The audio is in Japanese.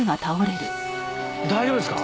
大丈夫ですか？